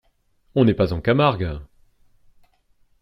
On n’est pas en Camargue!